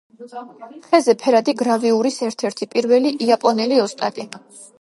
ხეზე ფერადი გრავიურის ერთ-ერთი პირველი იაპონელი ოსტატი.